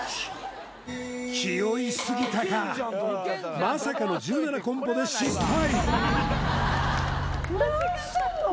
気負いすぎたかまさかの１７コンボで失敗